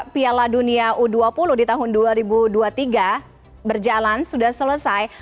piala dunia u dua puluh di tahun dua ribu dua puluh tiga berjalan sudah selesai